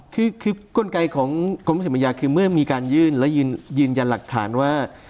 คือก้นไกของกรมทรัพย์สินปัญญาคือเมื่อมีการยื่นแล้วยืนยันหลักฐานว่า